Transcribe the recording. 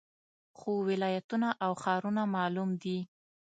خو ولایتونه او ښارونه معلوم دي